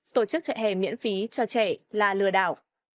tổ chức chạy hè miễn phí cho trẻ là lừa đảo